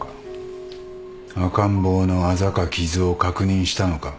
赤ん坊のあざか傷を確認したのか？